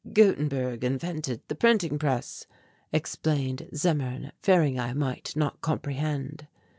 '" "Gutenberg invented the printing press," explained Zimmern, fearing I might not comprehend.